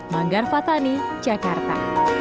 manggar fatani jakarta